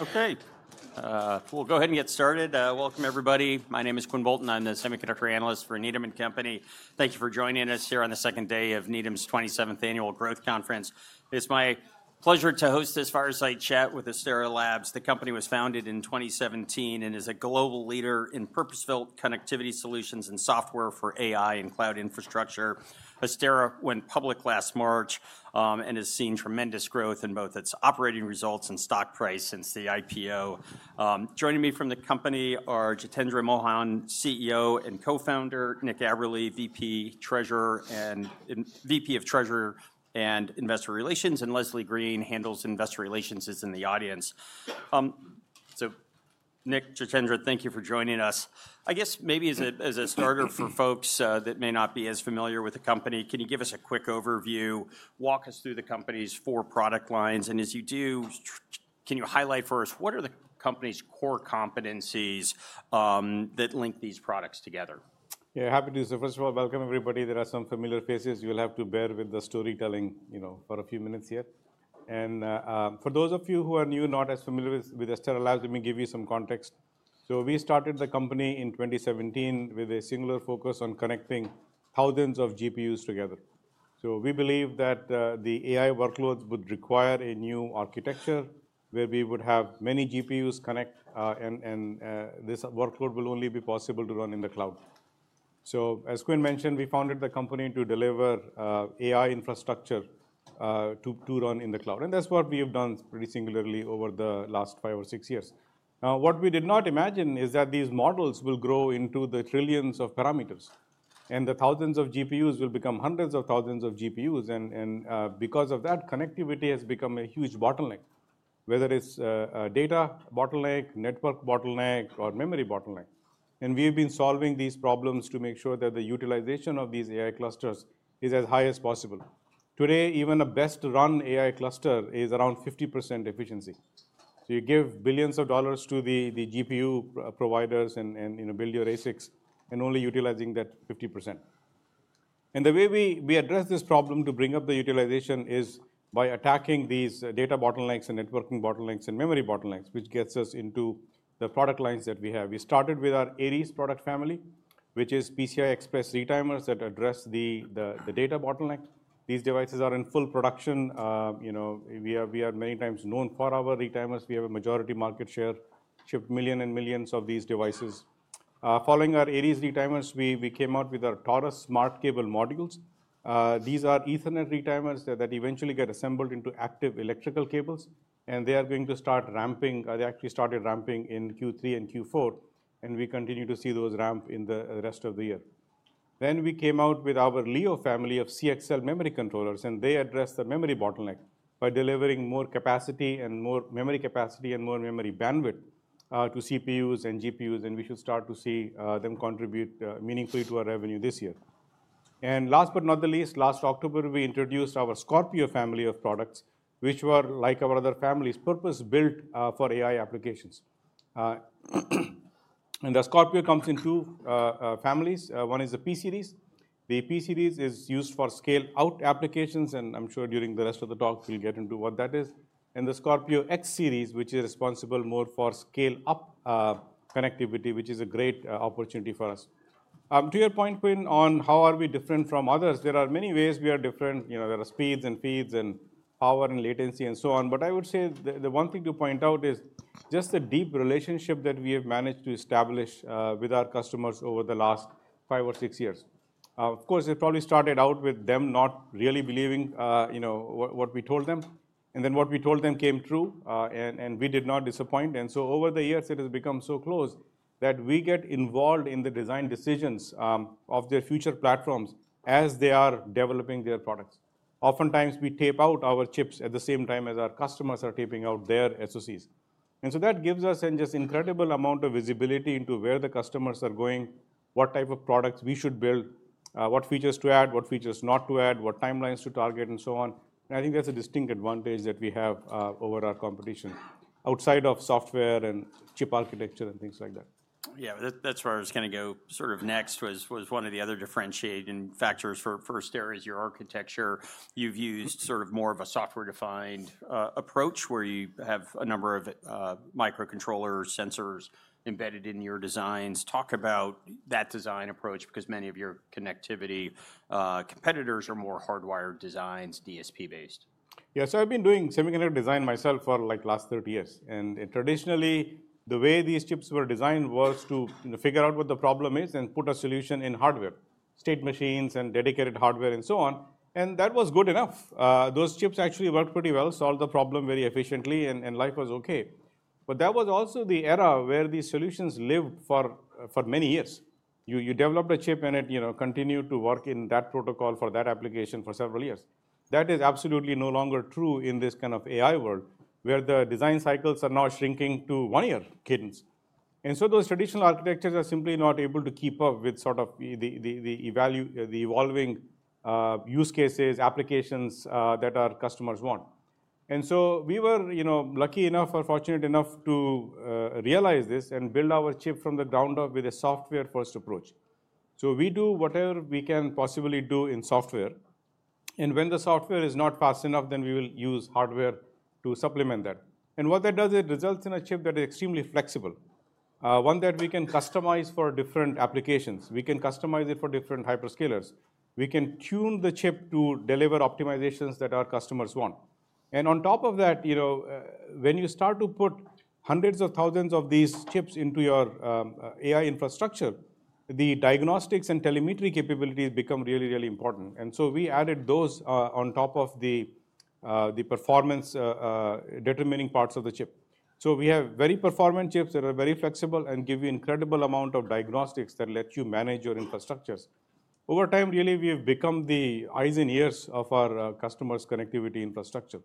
Okay. We'll go ahead and get started. Welcome, everybody. My name is Quinn Bolton. I'm the semiconductor analyst for Needham & Company. Thank you for joining us here on the second day of Needham's 27th Annual Growth Conference. It's my pleasure to host this fireside chat with Astera Labs. The company was founded in 2017 and is a global leader in purposeful connectivity solutions and software for AI and cloud infrastructure. Astera went public last March and has seen tremendous growth in both its operating results and stock price since the IPO. Joining me from the company are Jitendra Mohan, CEO and co-founder, Nick Aberle, VP of Treasury and Investor Relations, and Leslie Green, Head of Investor Relations, is in the audience. So, Nick, Jitendra, thank you for joining us.I guess maybe as a starter for folks that may not be as familiar with the company, can you give us a quick overview, walk us through the company's four product lines? And as you do, can you highlight for us what are the company's core competencies that link these products together? Yeah, happy to. So, first of all, welcome, everybody. There are some familiar faces you'll have to bear with the storytelling for a few minutes here. And for those of you who are new, not as familiar with Astera Labs, let me give you some context. So, we started the company in 2017 with a singular focus on connecting thousands of GPUs together. So, we believe that the AI workloads would require a new architecture where we would have many GPUs connect, and this workload will only be possible to run in the cloud. So, as Quinn mentioned, we founded the company to deliver AI infrastructure to run in the cloud. And that's what we have done pretty singularly over the last five or six years. Now, what we did not imagine is that these models will grow into the trillions of parameters, and the thousands of GPUs will become hundreds of thousands of GPUs, and because of that, connectivity has become a huge bottleneck, whether it's a data bottleneck, network bottleneck, or memory bottleneck, and we have been solving these problems to make sure that the utilization of these AI clusters is as high as possible. Today, even a best-run AI cluster is around 50% efficiency, so you give billions of dollars to the GPU providers and build your ASICs, and only utilizing that 50%, and the way we address this problem to bring up the utilization is by attacking these data bottlenecks and networking bottlenecks and memory bottlenecks, which gets us into the product lines that we have. We started with our Aries product family, which is PCI Express retimers that address the data bottleneck. These devices are in full production. We are many times known for our retimers. We have a majority market share, shipped millions and millions of these devices. Following our Aries retimers, we came out with our Taurus Smart Cable Modules. These are Ethernet retimers that eventually get assembled into active electrical cables, and they are going to start ramping. They actually started ramping in Q3 and Q4, and we continue to see those ramp in the rest of the year. Then we came out with our Leo family of CXL memory controllers, and they address the memory bottleneck by delivering more capacity and more memory capacity and more memory bandwidth to CPUs and GPUs, and we should start to see them contribute meaningfully to our revenue this year. Last but not the least, last October, we introduced our Scorpio family of products, which were, like our other families, purpose-built for AI applications. The Scorpio comes in two families. One is the P Series. The P Series is used for scale-out applications, and I'm sure during the rest of the talk, we'll get into what that is. The Scorpio X Series, which is responsible more for scale-up connectivity, which is a great opportunity for us. To your point, Quinn, on how are we different from others, there are many ways we are different. There are speeds and feeds and power and latency and so on. I would say the one thing to point out is just the deep relationship that we have managed to establish with our customers over the last five or six years. Of course, it probably started out with them not really believing what we told them. And then what we told them came true, and we did not disappoint. And so, over the years, it has become so close that we get involved in the design decisions of their future platforms as they are developing their products. Oftentimes, we tape out our chips at the same time as our customers are taping out their SoCs. And so, that gives us just an incredible amount of visibility into where the customers are going, what type of products we should build, what features to add, what features not to add, what timelines to target, and so on. And I think that's a distinct advantage that we have over our competition outside of software and chip architecture and things like that. Yeah, that's where I was going to go sort of next was one of the other differentiating factors for Astera is your architecture. You've used sort of more of a software-defined approach where you have a number of microcontrollers, sensors embedded in your designs. Talk about that design approach because many of your connectivity competitors are more hardwired designs, DSP-based. Yeah, so I've been doing semiconductor design myself for like the last 30 years. And traditionally, the way these chips were designed was to figure out what the problem is and put a solution in hardware, state machines and dedicated hardware and so on. And that was good enough. Those chips actually worked pretty well, solved the problem very efficiently, and life was okay. But that was also the era where these solutions lived for many years. You developed a chip and it continued to work in that protocol for that application for several years. That is absolutely no longer true in this kind of AI world where the design cycles are now shrinking to one-year cadence. And so, those traditional architectures are simply not able to keep up with sort of the evolving use cases, applications that our customers want. And so, we were lucky enough or fortunate enough to realize this and build our chip from the ground up with a software-first approach. So, we do whatever we can possibly do in software. And when the software is not fast enough, then we will use hardware to supplement that. And what that does, it results in a chip that is extremely flexible, one that we can customize for different applications. We can customize it for different hyperscalers. We can tune the chip to deliver optimizations that our customers want. And on top of that, when you start to put hundreds of thousands of these chips into your AI infrastructure, the diagnostics and telemetry capabilities become really, really important. And so, we added those on top of the performance-determining parts of the chip. So, we have very performant chips that are very flexible and give you an incredible amount of diagnostics that let you manage your infrastructures. Over time, really, we have become the eyes and ears of our customers' connectivity infrastructure.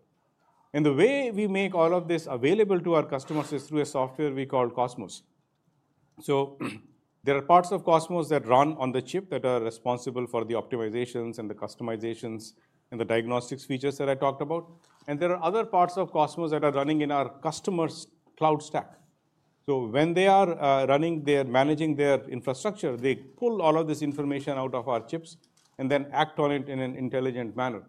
And the way we make all of this available to our customers is through a software we call Cosmos. So, there are parts of Cosmos that run on the chip that are responsible for the optimizations and the customizations and the diagnostics features that I talked about. And there are other parts of Cosmos that are running in our customer's cloud stack. So, when they are running, they are managing their infrastructure. They pull all of this information out of our chips and then act on it in an intelligent manner.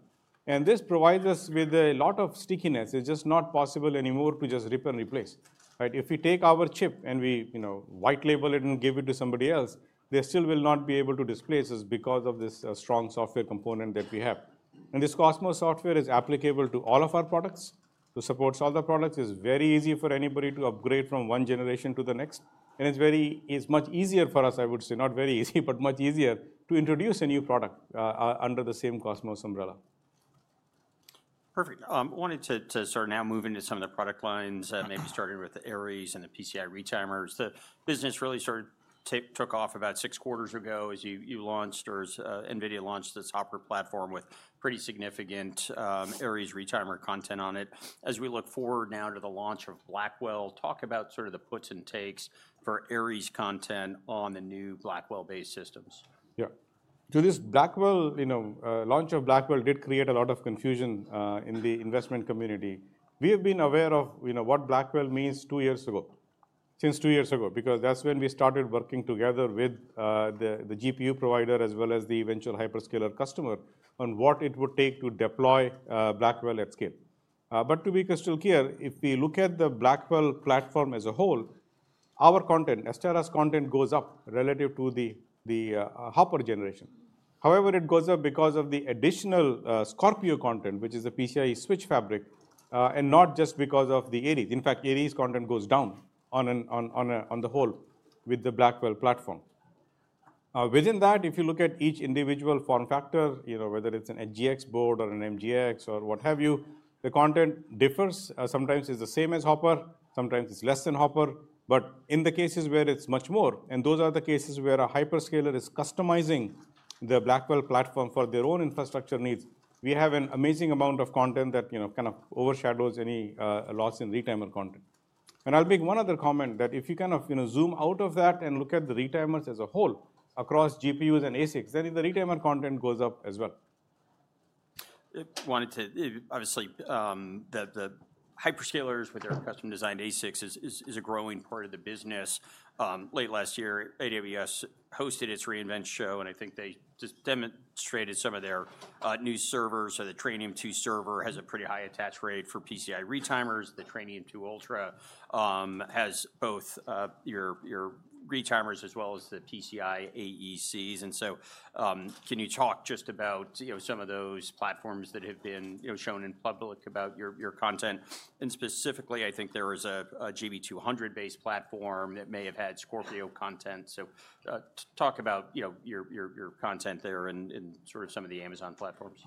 And this provides us with a lot of stickiness. It's just not possible anymore to just rip and replace. If we take our chip and we white-label it and give it to somebody else, they still will not be able to displace us because of this strong software component that we have. And this Cosmos software is applicable to all of our products. It supports all the products. It's very easy for anybody to upgrade from one generation to the next. And it's much easier for us, I would say, not very easy, but much easier to introduce a new product under the same Cosmos umbrella. Perfect. I wanted to sort of now move into some of the product lines, maybe starting with the Aries and the PCIe retimers. The business really sort of took off about six quarters ago as you launched, or as NVIDIA launched its Hopper platform with pretty significant Aries retimer content on it. As we look forward now to the launch of Blackwell, talk about sort of the puts and takes for Aries content on the new Blackwell-based systems. Yeah. So, this Blackwell launch of Blackwell did create a lot of confusion in the investment community. We have been aware of what Blackwell means two years ago, since two years ago, because that's when we started working together with the GPU provider as well as the eventual hyperscaler customer on what it would take to deploy Blackwell at scale. But to be crystal clear, if we look at the Blackwell platform as a whole, our content, Astera's content, goes up relative to the Hopper generation. However, it goes up because of the additional Scorpio content, which is a PCIe switch fabric, and not just because of the Aries. In fact, Aries content goes down on the whole with the Blackwell platform. Within that, if you look at each individual form factor, whether it's an HGX board or an MGX or what have you, the content differs. Sometimes it's the same as Hopper. Sometimes it's less than Hopper. But in the cases where it's much more, and those are the cases where a hyperscaler is customizing the Blackwell platform for their own infrastructure needs, we have an amazing amount of content that kind of overshadows any loss in retimer content. And I'll make one other comment that if you kind of zoom out of that and look at the retimers as a whole across GPUs and ASICs, then the retimer content goes up as well. I wanted to, obviously, the hyperscalers with their custom-designed ASICs is a growing part of the business. Late last year, AWS hosted its re:Invent show, and I think they just demonstrated some of their new servers, so the Trainium2 server has a pretty high attach rate for PCIe retimers. The Trainium2 Ultra has both your retimers as well as the PCIe AECs, and so can you talk just about some of those platforms that have been shown in public about your content, and specifically, I think there was a GB200-based platform that may have had Scorpio content, so talk about your content there and sort of some of the Amazon platforms.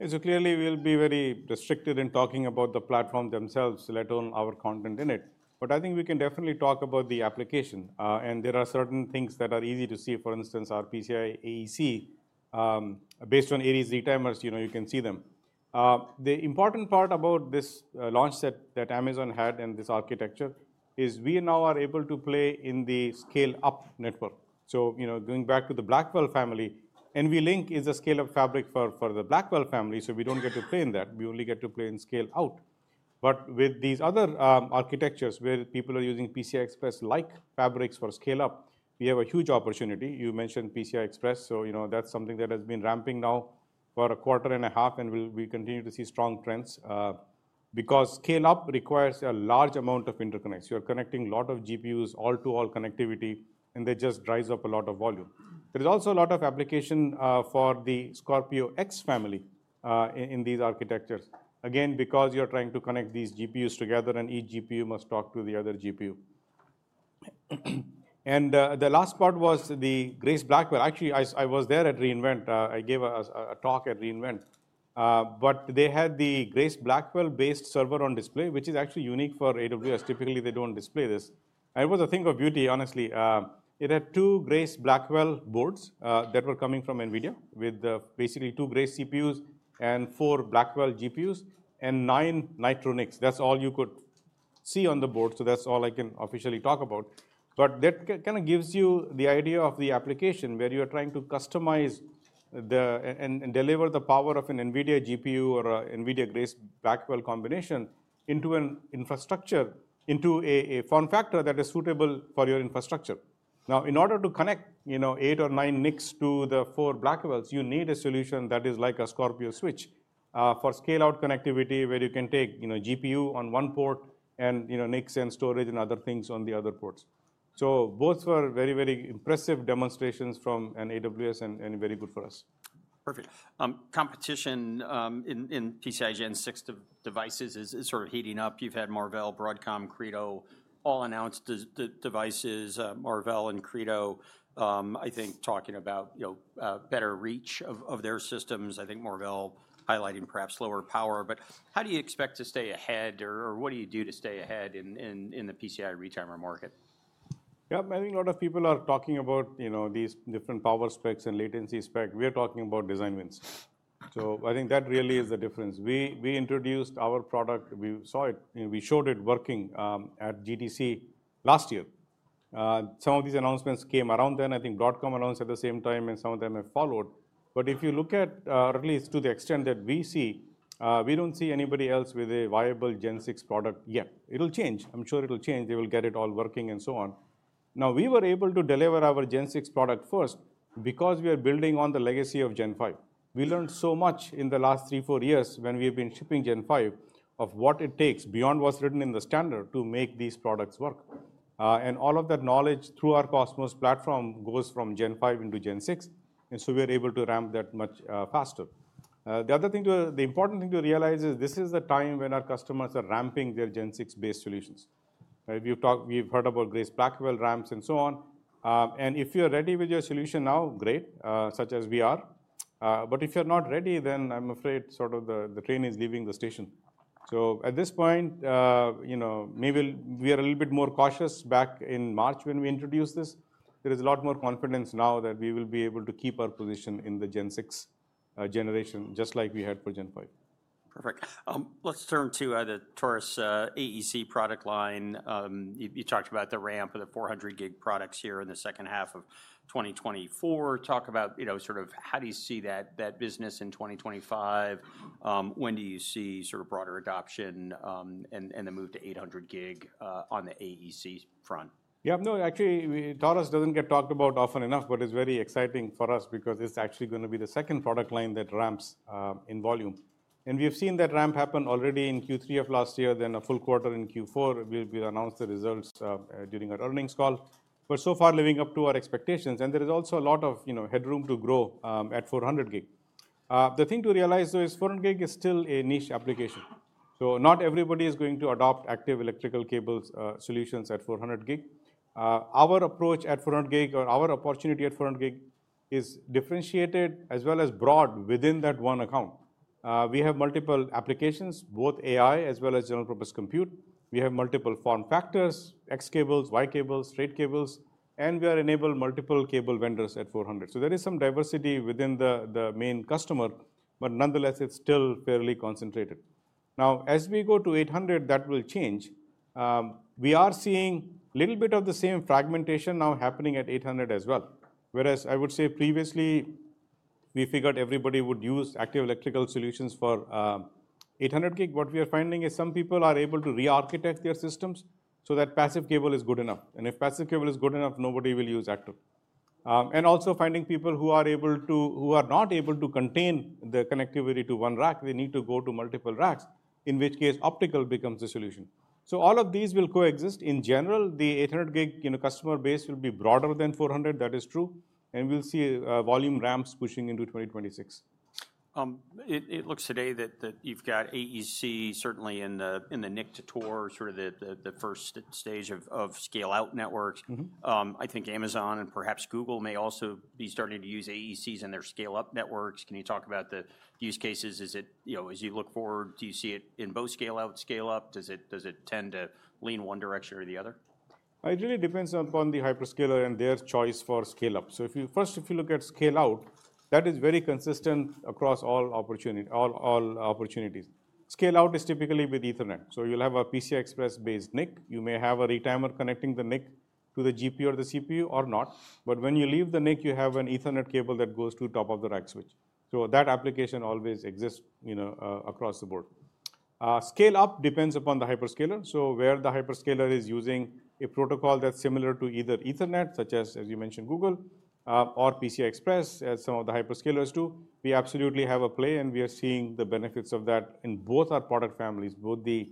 And so, clearly, we'll be very restricted in talking about the platforms themselves, let alone our content in it. But I think we can definitely talk about the application. And there are certain things that are easy to see. For instance, our PCIe AEC, based on Aries retimers, you can see them. The important part about this launch that Amazon had and this architecture is we now are able to play in the scale-up network. So, going back to the Blackwell family, NVLink is a scale-up fabric for the Blackwell family. So, we don't get to play in that. We only get to play in scale-out. But with these other architectures where people are using PCI Express-like fabrics for scale-up, we have a huge opportunity. You mentioned PCI Express. That's something that has been ramping now for a quarter and a half, and we continue to see strong trends because scale-up requires a large amount of interconnects. You're connecting a lot of GPUs, all-to-all connectivity, and that just dries up a lot of volume. There is also a lot of application for the Scorpio X family in these architectures, again, because you're trying to connect these GPUs together, and each GPU must talk to the other GPU. And the last part was the Grace Blackwell. Actually, I was there at re:Invent. I gave a talk at re:Invent. But they had the Grace Blackwell-based server on display, which is actually unique for AWS. Typically, they don't display this. And it was a thing of beauty, honestly. It had two Grace Blackwell boards that were coming from NVIDIA with basically two Grace CPUs and four Blackwell GPUs and nine Nitro NICs. That's all you could see on the board. So, that's all I can officially talk about. But that kind of gives you the idea of the application where you are trying to customize and deliver the power of an NVIDIA GPU or an NVIDIA Grace Blackwell combination into an infrastructure, into a form factor that is suitable for your infrastructure. Now, in order to connect eight or nine NICs to the four Blackwells, you need a solution that is like a Scorpio switch for scale-out connectivity where you can take GPU on one port and NICs and storage and other things on the other ports. So, both were very, very impressive demonstrations from AWS and very good for us. Perfect. Competition in PCIe Gen 6 devices is sort of heating up. You've had Marvell, Broadcom, Credo all announce the devices. Marvell and Credo, I think, talking about better reach of their systems. I think Marvell highlighting perhaps lower power. But how do you expect to stay ahead, or what do you do to stay ahead in the PCIe retimer market? Yeah, I think a lot of people are talking about these different power specs and latency specs. We are talking about design wins. So, I think that really is the difference. We introduced our product. We saw it. We showed it working at GTC last year. Some of these announcements came around then. I think Broadcom announced at the same time, and some of them have followed. But if you look at, or at least to the extent that we see, we don't see anybody else with a viable Gen 6 product yet. It'll change. I'm sure it'll change. They will get it all working and so on. Now, we were able to deliver our Gen 6 product first because we are building on the legacy of Gen 5. We learned so much in the last three, four years when we have been shipping Gen 5 of what it takes beyond what's written in the standard to make these products work. And all of that knowledge through our Cosmos platform goes from Gen 5 into Gen 6. And so, we are able to ramp that much faster. The other thing, the important thing to realize is this is the time when our customers are ramping their Gen 6-based solutions. We've heard about Grace Blackwell ramps and so on. And if you're ready with your solution now, great, such as we are. But if you're not ready, then I'm afraid sort of the train is leaving the station. So, at this point, maybe we are a little bit more cautious back in March when we introduced this. There is a lot more confidence now that we will be able to keep our position in the Gen 6 generation just like we had for Gen 5. Perfect. Let's turn to the Taurus AEC product line. You talked about the ramp of the 400-gig products here in the second half of 2024. Talk about sort of how do you see that business in 2025? When do you see sort of broader adoption and the move to 800-gig on the AEC front? Yeah, no, actually, Taurus doesn't get talked about often enough, but it's very exciting for us because it's actually going to be the second product line that ramps in volume, and we have seen that ramp happen already in Q3 of last year, then a full quarter in Q4. We'll announce the results during our earnings call, but so far, living up to our expectations. And there is also a lot of headroom to grow at 400-gig. The thing to realize, though, is 400-gig is still a niche application. So, not everybody is going to adopt active electrical cables solutions at 400-gig. Our approach at 400-gig or our opportunity at 400-gig is differentiated as well as broad within that one account. We have multiple applications, both AI as well as general-purpose compute. We have multiple form factors, X cables, Y cables, straight cables, and we are enabling multiple cable vendors at 400, so there is some diversity within the main customer, but nonetheless, it's still fairly concentrated. Now, as we go to 800, that will change. We are seeing a little bit of the same fragmentation now happening at 800 as well. Whereas I would say previously, we figured everybody would use active electrical solutions for 800-gig, what we are finding is some people are able to re-architect their systems so that passive cable is good enough, and if passive cable is good enough, nobody will use active, and also finding people who are not able to contain the connectivity to one rack, they need to go to multiple racks, in which case optical becomes the solution, so all of these will coexist. In general, the 800-gig customer base will be broader than 400. That is true. And we'll see volume ramps pushing into 2026. It looks today that you've got AEC certainly in the Nitro, sort of the first stage of scale-out networks. I think Amazon and perhaps Google may also be starting to use AECs in their scale-up networks. Can you talk about the use cases? Is it, as you look forward, do you see it in both scale-out, scale-up? Does it tend to lean one direction or the other? It really depends upon the hyperscaler and their choice for scale-up. So, first, if you look at scale-out, that is very consistent across all opportunities. Scale-out is typically with Ethernet. So, you'll have a PCIe-based NIC. You may have a retimer connecting the NIC to the GPU or the CPU or not. But when you leave the NIC, you have an Ethernet cable that goes to the top of the rack switch. So, that application always exists across the board. Scale-up depends upon the hyperscaler. So, where the hyperscaler is using a protocol that's similar to either Ethernet, such as, as you mentioned, Google, or PCI Express, as some of the hyperscalers do, we absolutely have a play. And we are seeing the benefits of that in both our product families, both the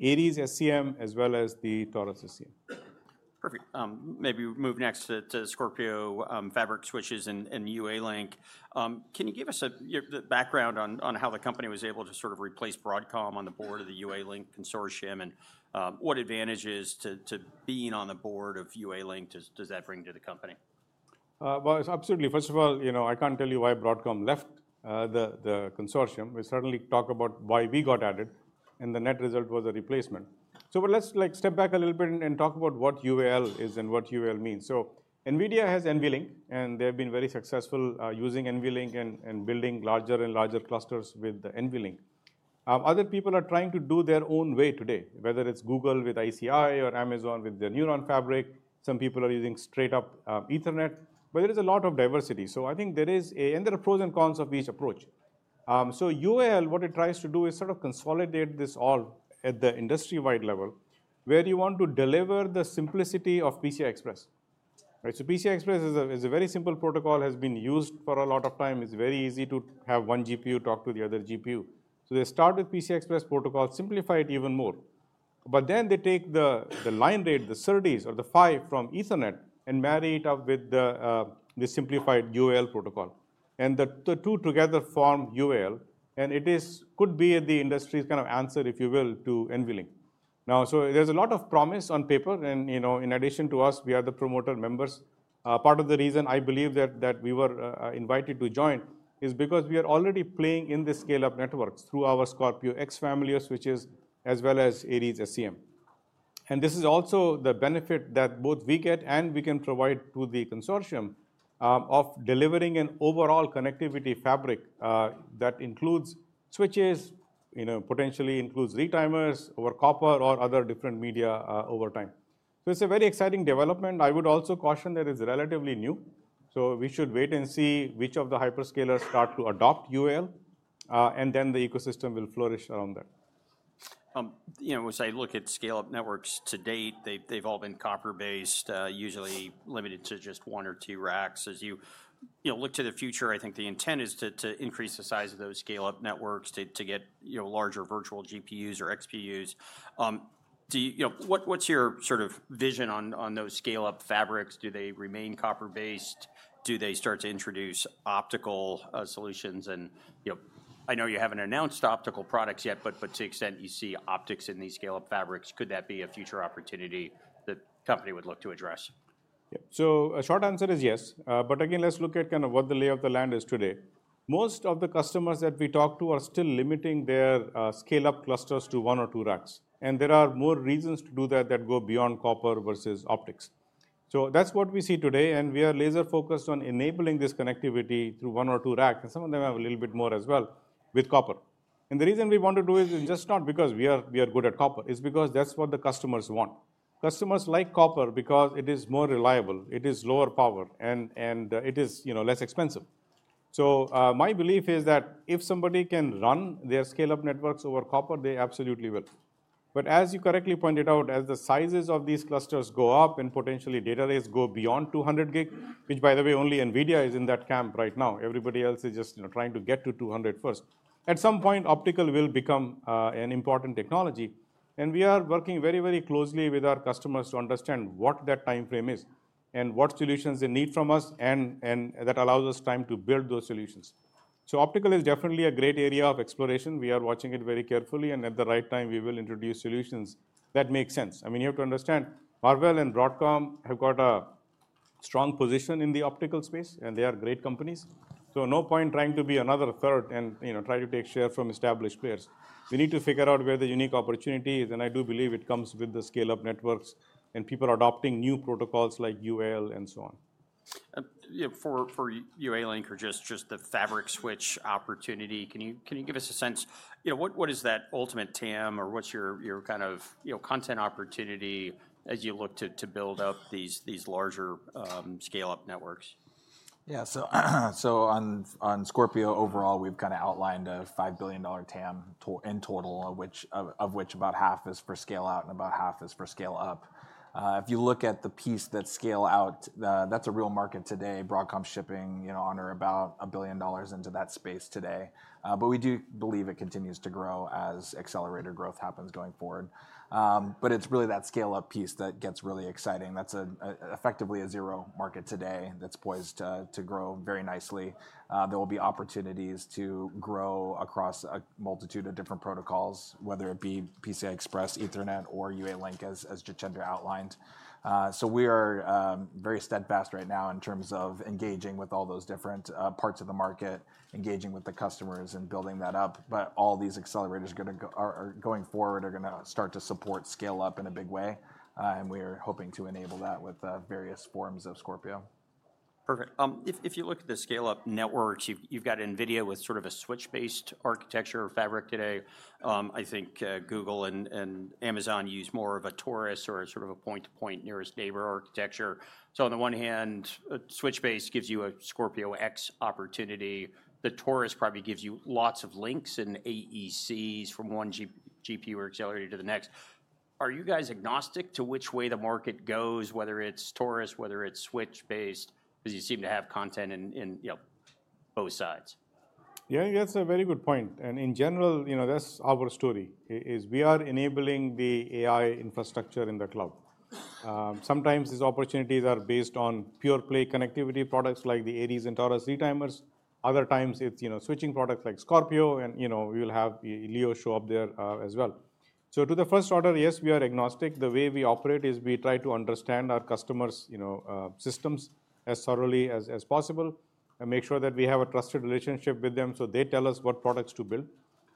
Aries SCM as well as the Taurus SCM. Perfect. Maybe we move next to Scorpio fabric switches and UALink. Can you give us the background on how the company was able to sort of replace Broadcom on the board of the UALink consortium and what advantages to being on the Board of UALink does that bring to the company? Absolutely. First of all, I can't tell you why Broadcom left the consortium. We certainly talk about why we got added. And the net result was a replacement. So, let's step back a little bit and talk about what UAL is and what UAL means. So, NVIDIA has NVLink, and they have been very successful using NVLink and building larger and larger clusters with the NVLink. Other people are trying to do their own way today, whether it's Google with ICI or Amazon with their Neuron Fabric. Some people are using straight-up Ethernet. But there is a lot of diversity. So, I think there is, and there are pros and cons of each approach. So, UAL, what it tries to do is sort of consolidate this all at the industry-wide level, where you want to deliver the simplicity of PCI Express. PCI Express is a very simple protocol that has been used for a lot of time. It's very easy to have one GPU talk to the other GPU. They start with PCI Express protocol and simplify it even more. But then they take the line rate, the SerDes or the PHY from Ethernet and marry it up with the simplified UAL protocol. The two together form UAL. It could be the industry's kind of answer, if you will, to NVLink. There's a lot of promise on paper. In addition to us, we are the promoter members. Part of the reason I believe that we were invited to join is because we are already playing in the scale-up networks through our Scorpio X family of switches as well as Aries SCM. And this is also the benefit that both we get and we can provide to the consortium of delivering an overall connectivity fabric that includes switches, potentially includes retimers over copper or other different media over time. So, it's a very exciting development. I would also caution that it's relatively new. So, we should wait and see which of the hyperscalers start to adopt UAL. And then the ecosystem will flourish around that. As I look at scale-up networks to date, they've all been copper-based, usually limited to just one or two racks. As you look to the future, I think the intent is to increase the size of those scale-up networks to get larger virtual GPUs or XPUs. What's your sort of vision on those scale-up fabrics? Do they remain copper-based? Do they start to introduce optical solutions? And I know you haven't announced optical products yet, but to the extent you see optics in these scale-up fabrics, could that be a future opportunity that the company would look to address? So, a short answer is yes. But again, let's look at kind of what the lay of the land is today. Most of the customers that we talk to are still limiting their scale-up clusters to one or two racks. And there are more reasons to do that that go beyond copper versus optics. So, that's what we see today. And we are laser-focused on enabling this connectivity through one or two racks. And some of them have a little bit more as well with copper. And the reason we want to do it is just not because we are good at copper. It's because that's what the customers want. Customers like copper because it is more reliable. It is lower power. And it is less expensive. So, my belief is that if somebody can run their scale-up networks over copper, they absolutely will. But as you correctly pointed out, as the sizes of these clusters go up and potentially data rates go beyond 200-gig, which, by the way, only NVIDIA is in that camp right now. Everybody else is just trying to get to 200 first. At some point, optical will become an important technology. And we are working very, very closely with our customers to understand what that time frame is and what solutions they need from us. And that allows us time to build those solutions. So, optical is definitely a great area of exploration. We are watching it very carefully. And at the right time, we will introduce solutions that make sense. I mean, you have to understand Marvell and Broadcom have got a strong position in the optical space. And they are great companies. So, no point trying to be another third and try to take share from established players. We need to figure out where the unique opportunity is. And I do believe it comes with the scale-up networks and people adopting new protocols like UALink and so on. For UALink or just the fabric switch opportunity, can you give us a sense? What is that ultimate TAM or what's your kind of content opportunity as you look to build up these larger scale-up networks? Yeah, so on Scorpio overall, we've kind of outlined a $5 billion TAM in total, of which about half is for scale-out and about half is for scale-up. If you look at the piece that's scale-out, that's a real market today. Broadcom shipping on or about $1 billion into that space today. But we do believe it continues to grow as accelerator growth happens going forward. But it's really that scale-up piece that gets really exciting. That's effectively a zero market today that's poised to grow very nicely. There will be opportunities to grow across a multitude of different protocols, whether it be PCI Express, Ethernet, or UALink, as Jitendra outlined. So, we are very steadfast right now in terms of engaging with all those different parts of the market, engaging with the customers and building that up. But all these accelerators going forward are going to start to support scale-up in a big way. And we are hoping to enable that with various forms of Scorpio. Perfect. If you look at the scale-up networks, you've got NVIDIA with sort of a switch-based architecture or fabric today. I think Google and Amazon use more of a Taurus or sort of a point-to-point nearest neighbor architecture. So, on the one hand, switch-based gives you a Scorpio X opportunity. The Taurus probably gives you lots of links and AECs from one GPU or accelerator to the next. Are you guys agnostic to which way the market goes, whether it's Taurus, whether it's switch-based? Because you seem to have content in both sides. Yeah, that's a very good point. And in general, that's our story. We are enabling the AI infrastructure in the cloud. Sometimes these opportunities are based on pure-play connectivity products like the Aries and Taurus retimers. Other times, it's switching products like Scorpio. And we will have Leo show up there as well. So, to the first order, yes, we are agnostic. The way we operate is we try to understand our customers' systems as thoroughly as possible and make sure that we have a trusted relationship with them. So, they tell us what products to build.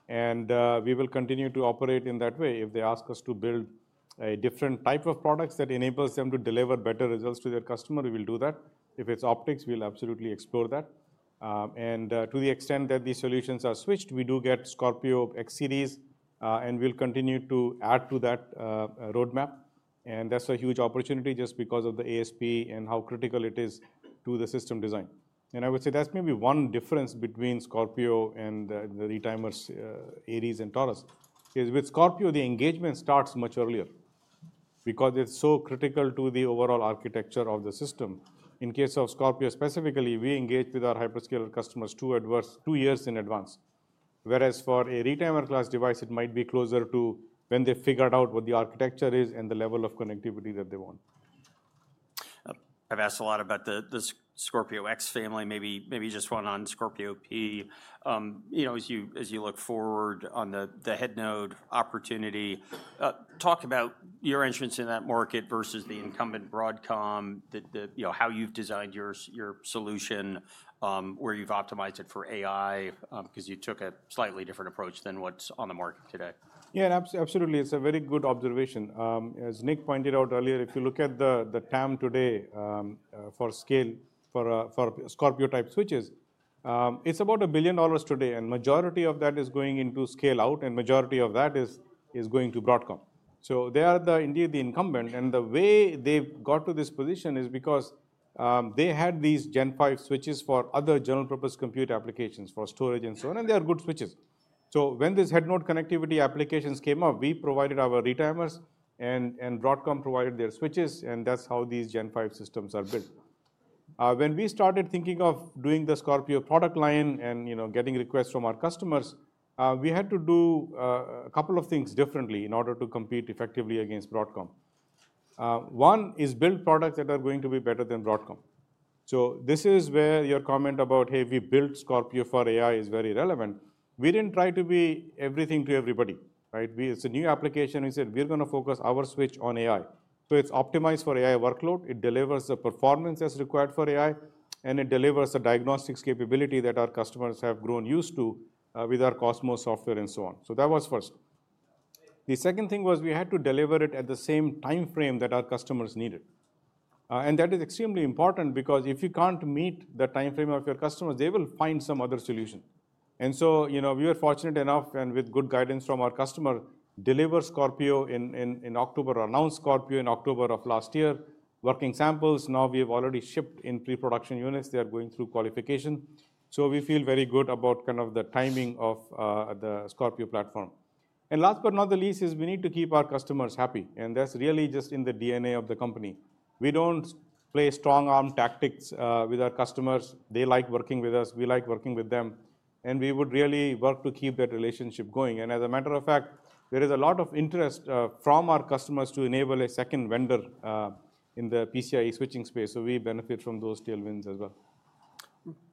And we will continue to operate in that way. If they ask us to build a different type of products that enables them to deliver better results to their customer, we will do that. If it's optics, we'll absolutely explore that. To the extent that these solutions are switched, we do get Scorpio X Series. We'll continue to add to that roadmap. That's a huge opportunity just because of the ASP and how critical it is to the system design. I would say that's maybe one difference between Scorpio and the retimers, Aries and Taurus. With Scorpio, the engagement starts much earlier because it's so critical to the overall architecture of the system. In case of Scorpio specifically, we engage with our hyperscaler customers two years in advance. Whereas for a retimer-class device, it might be closer to when they figured out what the architecture is and the level of connectivity that they want. I've asked a lot about the Scorpio X family. Maybe just one on Scorpio P. As you look forward on the head node opportunity, talk about your entrance in that market versus the incumbent Broadcom, how you've designed your solution, where you've optimized it for AI, because you took a slightly different approach than what's on the market today. Yeah, absolutely. It's a very good observation. As Nick pointed out earlier, if you look at the TAM today for scale for Scorpio-type switches, it's about $1 billion today. And majority of that is going into scale-out. And majority of that is going to Broadcom. So, they are indeed the incumbent. And the way they've got to this position is because they had these Gen 5 switches for other general-purpose compute applications for storage and so on. And they are good switches. So, when these head node connectivity applications came up, we provided our retimers. And Broadcom provided their switches. And that's how these Gen 5 systems are built. When we started thinking of doing the Scorpio product line and getting requests from our customers, we had to do a couple of things differently in order to compete effectively against Broadcom. One is build products that are going to be better than Broadcom. So, this is where your comment about, hey, we built Scorpio for AI is very relevant. We didn't try to be everything to everybody. It's a new application. We said, we're going to focus our switch on AI. So, it's optimized for AI workload. It delivers the performance as required for AI. And it delivers the diagnostics capability that our customers have grown used to with our Cosmos software and so on. So, that was first. The second thing was we had to deliver it at the same time frame that our customers needed. And that is extremely important because if you can't meet the time frame of your customers, they will find some other solution. And so, we were fortunate enough and with good guidance from our customer, deliver Scorpio in October or announce Scorpio in October of last year, working samples. Now, we have already shipped in pre-production units. They are going through qualification. So, we feel very good about kind of the timing of the Scorpio platform. And last but not the least is we need to keep our customers happy. And that's really just in the DNA of the company. We don't play strong-arm tactics with our customers. They like working with us. We like working with them. And we would really work to keep that relationship going. And as a matter of fact, there is a lot of interest from our customers to enable a second vendor in the PCIe switching space. So, we benefit from those tailwinds as well.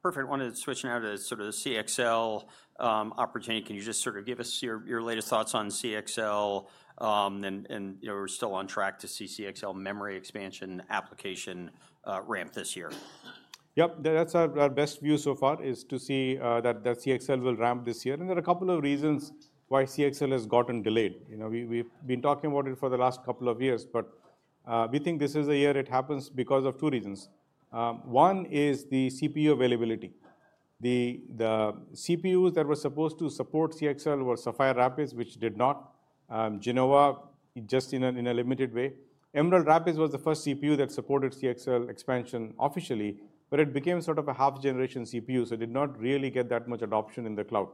Perfect. I wanted to switch now to sort of the CXL opportunity. Can you just sort of give us your latest thoughts on CXL? And we're still on track to see CXL memory expansion application ramp this year. Yep, that's our best view so far is to see that CXL will ramp this year. And there are a couple of reasons why CXL has gotten delayed. We've been talking about it for the last couple of years. But we think this is a year it happens because of two reasons. One is the CPU availability. The CPUs that were supposed to support CXL were Sapphire Rapids, which did not. Genoa, just in a limited way. Emerald Rapids was the first CPU that supported CXL expansion officially. But it became sort of a half-generation CPU. So, it did not really get that much adoption in the cloud.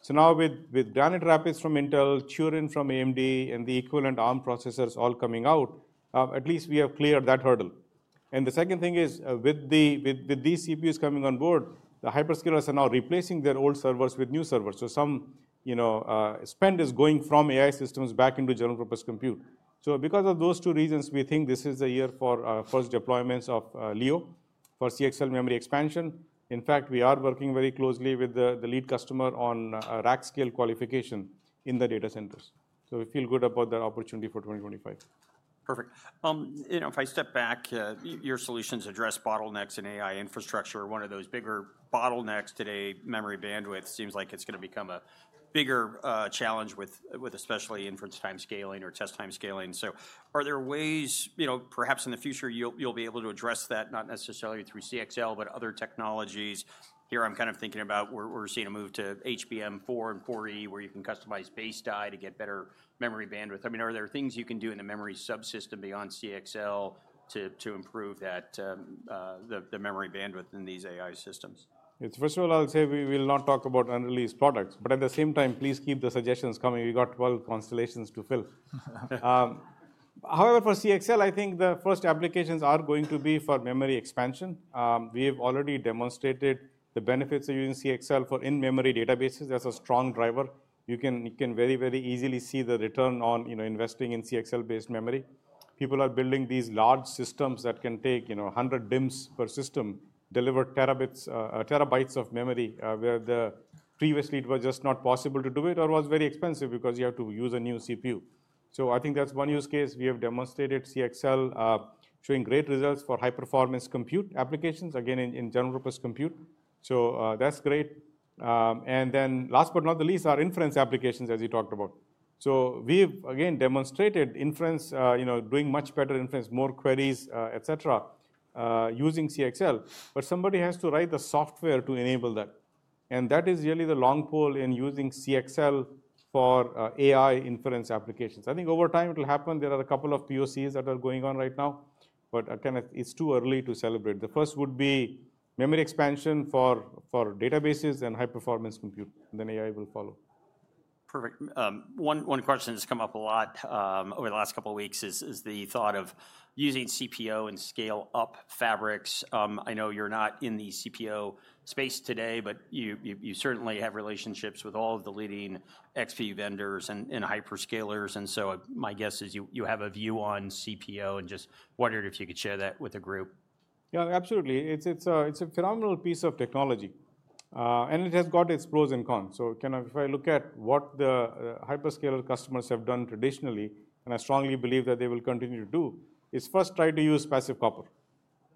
So, now with Granite Rapids from Intel, Turin from AMD, and the equivalent ARM processors all coming out, at least we have cleared that hurdle. And the second thing is with these CPUs coming on board, the hyperscalers are now replacing their old servers with new servers. So, some spend is going from AI systems back into general-purpose compute. So, because of those two reasons, we think this is the year for first deployments of Leo for CXL memory expansion. In fact, we are working very closely with the lead customer on rack scale qualification in the data centers. So, we feel good about that opportunity for 2025. Perfect. If I step back, your solutions address bottlenecks in AI infrastructure. One of those bigger bottlenecks today, memory bandwidth, seems like it's going to become a bigger challenge, especially inference time scaling or test time scaling. So, are there ways, perhaps in the future, you'll be able to address that, not necessarily through CXL, but other technologies? Here, I'm kind of thinking about we're seeing a move to HBM4 and HBM4E, where you can customize base die to get better memory bandwidth. I mean, are there things you can do in the memory subsystem beyond CXL to improve the memory bandwidth in these AI systems? First of all, I'll say we will not talk about unreleased products. But at the same time, please keep the suggestions coming. We got 12 constellations to fill. However, for CXL, I think the first applications are going to be for memory expansion. We have already demonstrated the benefits of using CXL for in-memory databases. That's a strong driver. You can very, very easily see the return on investing in CXL-based memory. People are building these large systems that can take 100 DIMMs per system, deliver terabytes of memory, where previously it was just not possible to do it or was very expensive because you have to use a new CPU. So, I think that's one use case. We have demonstrated CXL showing great results for high-performance compute applications, again, in general-purpose compute. So, that's great. And then last but not the least, our inference applications, as you talked about. We've, again, demonstrated inference, doing much better inference, more queries, et cetera, using CXL. But somebody has to write the software to enable that. And that is really the long pole in using CXL for AI inference applications. I think over time it will happen. There are a couple of POCs that are going on right now. But it's too early to celebrate. The first would be memory expansion for databases and high-performance compute. And then AI will follow. Perfect. One question has come up a lot over the last couple of weeks is the thought of using CPO and scale-up fabrics. I know you're not in the CPO space today, but you certainly have relationships with all of the leading XPU vendors and hyperscalers. And so, my guess is you have a view on CPO and just wondered if you could share that with the group. Yeah, absolutely. It's a phenomenal piece of technology, and it has got its pros and cons, so kind of if I look at what the hyperscaler customers have done traditionally, and I strongly believe that they will continue to do, is first try to use passive copper.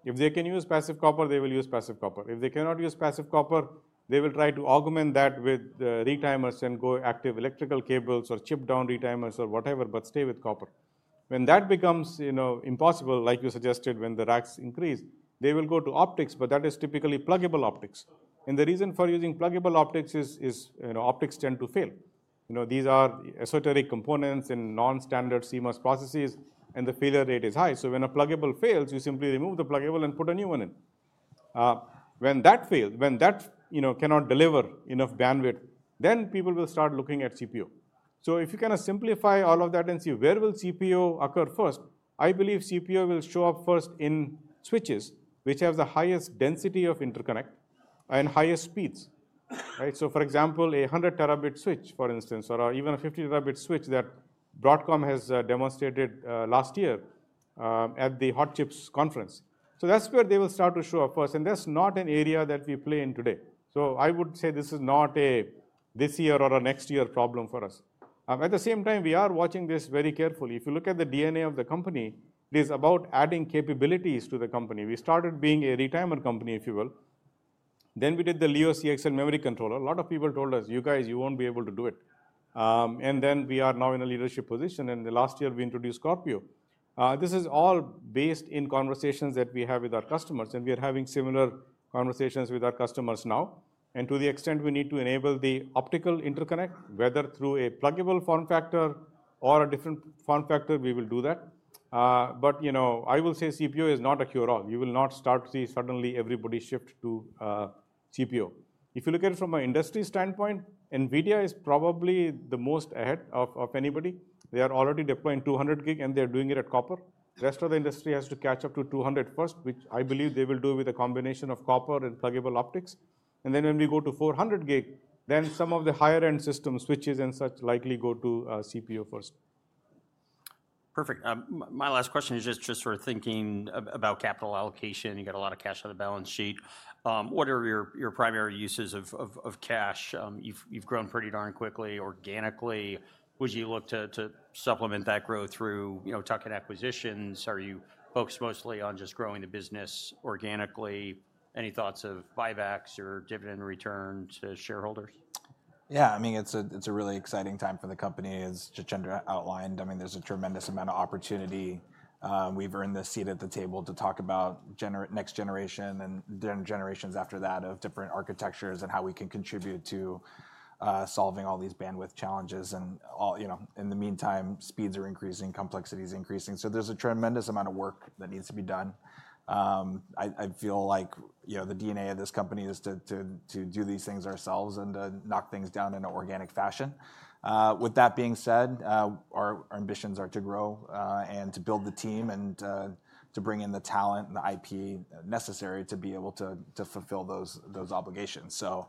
If they can use passive copper, they will use passive copper. If they cannot use passive copper, they will try to augment that with retimers and go active electrical cables or chip down retimers or whatever, but stay with copper. When that becomes impossible, like you suggested when the racks increase, they will go to optics, but that is typically pluggable optics, and the reason for using pluggable optics is optics tend to fail. These are esoteric components and non-standard CMOS processes, and the failure rate is high. When a pluggable fails, you simply remove the pluggable and put a new one in. When that fails, when that cannot deliver enough bandwidth, then people will start looking at CPO. If you kind of simplify all of that and see where will CPO occur first, I believe CPO will show up first in switches which have the highest density of interconnect and highest speeds. For example, a 100 terabit switch, for instance, or even a 50 terabit switch that Broadcom has demonstrated last year at the Hot Chips conference. That's where they will start to show up first. That's not an area that we play in today. I would say this is not a this year or a next year problem for us. At the same time, we are watching this very carefully. If you look at the DNA of the company, it is about adding capabilities to the company. We started being a retimer company, if you will. Then we did the Leo CXL memory controller. A lot of people told us, you guys, you won't be able to do it. And then we are now in a leadership position. And last year, we introduced Scorpio. This is all based on conversations that we have with our customers. And we are having similar conversations with our customers now. And to the extent we need to enable the optical interconnect, whether through a pluggable form factor or a different form factor, we will do that. But I will say CPO is not a cure-all. You will not start to see suddenly everybody shift to CPO. If you look at it from an industry standpoint, NVIDIA is probably the most ahead of anybody. They are already deploying 200 gig, and they're doing it at copper. The rest of the industry has to catch up to 200 first, which I believe they will do with a combination of copper and pluggable optics, and then when we go to 400 gig, then some of the higher-end systems, switches, and such likely go to CPO first. Perfect. My last question is just sort of thinking about capital allocation. You've got a lot of cash on the balance sheet. What are your primary uses of cash? You've grown pretty darn quickly organically. Would you look to supplement that growth through tuck-in acquisitions? Are you focused mostly on just growing the business organically? Any thoughts of buybacks or dividend return to shareholders? Yeah, I mean, it's a really exciting time for the company, as Jitendra outlined. I mean, there's a tremendous amount of opportunity. We've earned the seat at the table to talk about next generation and then generations after that of different architectures and how we can contribute to solving all these bandwidth challenges. And in the meantime, speeds are increasing, complexity is increasing. So, there's a tremendous amount of work that needs to be done. I feel like the DNA of this company is to do these things ourselves and to knock things down in an organic fashion. With that being said, our ambitions are to grow and to build the team and to bring in the talent and the IP necessary to be able to fulfill those obligations. So,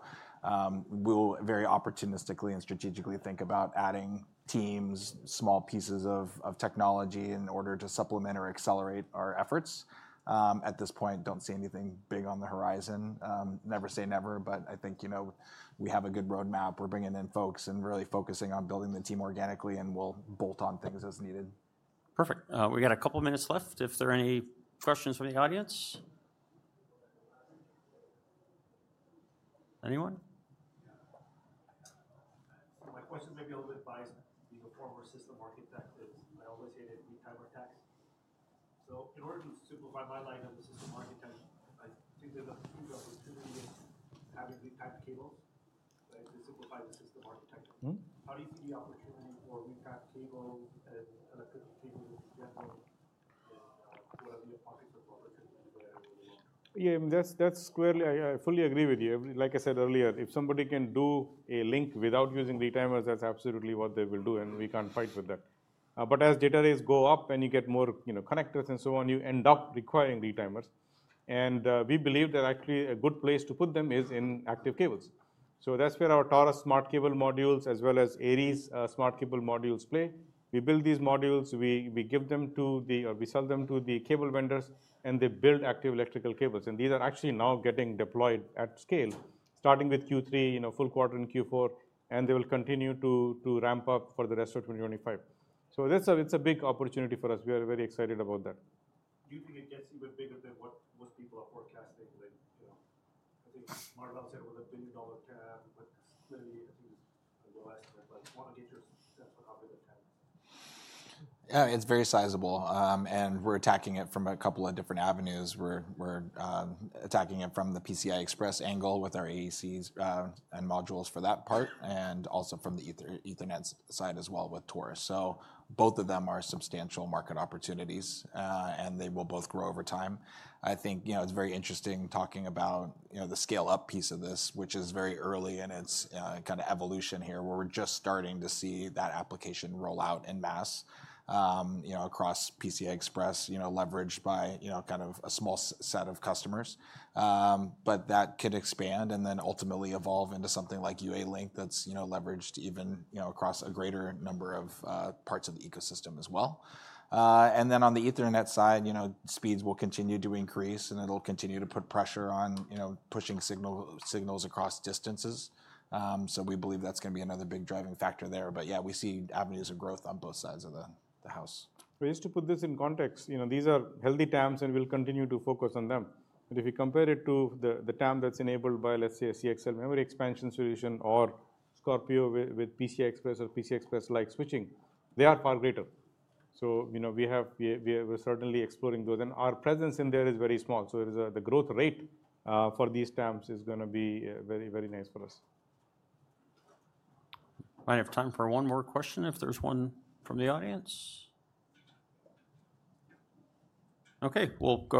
we'll very opportunistically and strategically think about adding teams, small pieces of technology in order to supplement or accelerate our efforts. At this point, I don't see anything big on the horizon. Never say never. But I think we have a good roadmap. We're bringing in folks and really focusing on building the team organically. And we'll bolt on things as needed. Perfect. We've got a couple of minutes left if there are any questions from the audience. Anyone? My question may be a little bit biased. Being a former system architect, I always hated retimer stacks. So, in order to simplify my life as a system architect, I think there's a huge opportunity in having retimer cables to simplify the system architecture. How do you see the opportunity for retimer cables and electrical cables in general? And what are the optics of the opportunity there in the long term? Yeah, that's squarely. I fully agree with you. Like I said earlier, if somebody can do a link without using retimers, that's absolutely what they will do. And we can't fight with that. But as data rates go up and you get more connectors and so on, you end up requiring retimers. And we believe that actually a good place to put them is in active cables. So, that's where our Taurus Smart Cable Modules, as well as Aries Smart Cable Modules, play. We build these modules. We give them or we sell them to the cable vendors. And they build active electrical cables. And these are actually now getting deployed at scale, starting with Q3, full quarter in Q4. And they will continue to ramp up for the rest of 2025. So, it's a big opportunity for us. We are very excited about that. Do you think it gets even bigger than what most people are forecasting? I think Marvell said it was a billion-dollar TAM. But clearly, I think it's a low estimate. But I want to get your sense on how big the TAM is? Yeah, it's very sizable. And we're attacking it from a couple of different avenues. We're attacking it from the PCI Express angle with our AECs and modules for that part, and also from the Ethernet side as well with Taurus. So, both of them are substantial market opportunities. And they will both grow over time. I think it's very interesting talking about the scale-up piece of this, which is very early in it's kind of evolution here, where we're just starting to see that application roll out en masse across PCI Express, leveraged by kind of a small set of customers. But that could expand and then ultimately evolve into something like UALink that's leveraged even across a greater number of parts of the ecosystem as well. And then on the Ethernet side, speeds will continue to increase. And it'll continue to put pressure on pushing signals across distances. So, we believe that's going to be another big driving factor there. But yeah, we see avenues of growth on both sides of the house. So, just to put this in context, these are healthy TAMs. And we'll continue to focus on them. But if you compare it to the TAM that's enabled by, let's say, a CXL memory expansion solution or Scorpio with PCI Express or PCI Express-like switching, they are far greater. So, we're certainly exploring those. And our presence in there is very small. So, the growth rate for these TAMs is going to be very, very nice for us. I have time for one more question, if there's one from the audience. OK, we'll.